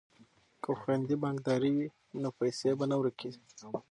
که خویندې بانکدارې وي نو پیسې به نه ورکیږي.